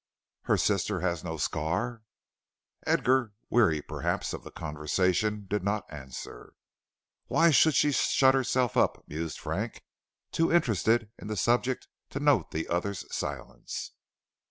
"Her sister has no scar?" Edgar, weary, perhaps, of the conversation, did not answer. "Why should she shut herself up?" mused Frank, too interested in the subject to note the other's silence.